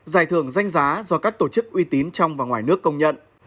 giải thưởng danh giá do các tổ chức uy tín trong và ngoài nước công nhận